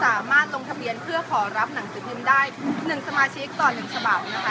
สามารถลงทะเบียนเพื่อขอรับหนังสือพิมพ์ได้๑สมาชิกต่อ๑ฉบับนะคะ